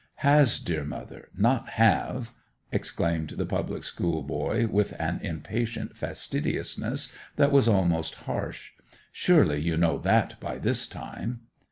'Has, dear mother—not have!' exclaimed the public school boy, with an impatient fastidiousness that was almost harsh. 'Surely you know that by this time!